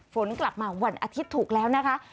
ฝนกลับมาวันอาทิตย์ถูกแล้วนะคะ